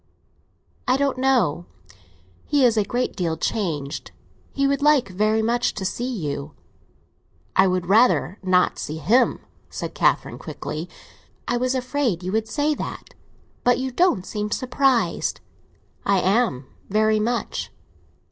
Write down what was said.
"I don't know; he is a great deal changed. He would like very much to see you." "I would rather not see him," said Catherine quickly. "I was afraid you would say that. But you don't seem surprised!" "I am—very much."